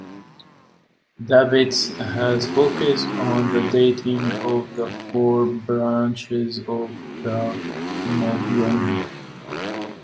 Debate has focused on the dating of the "Four Branches of the Mabinogi".